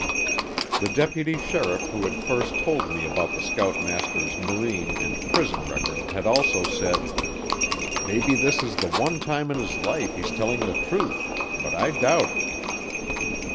The deputy sheriff who had first told me about the scoutmaster's Marine and prison record had also said, "Maybe this is the one time in his life he's telling the truth, but I doubt it."